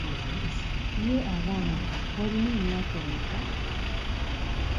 Ye abange olina emyaka emeka?